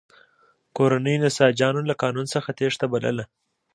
کورنیو نساجانو له قانون څخه تېښته بلله.